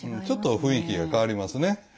ちょっと雰囲気が変わりますね。